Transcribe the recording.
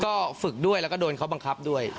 ก็ฝึกด้วยครับโดนเขาบังคับด้วย